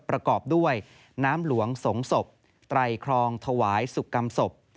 ประกอบด้วยน้ำหลวงสงศพไตรครองถวายสุกรรมศพ